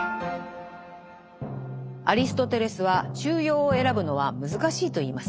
アリストテレスは中庸を選ぶのは難しいと言います。